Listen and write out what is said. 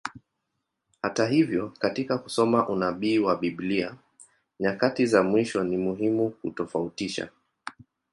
Hata hivyo, katika kusoma unabii wa Biblia nyakati za mwisho, ni muhimu kutofautisha.